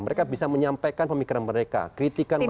mereka bisa menyampaikan pemikiran mereka kritikan mereka